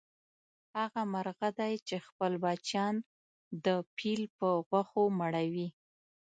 هغه مرغه دی چې خپل بچیان د پیل په غوښو مړوي.